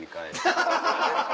アハハハ！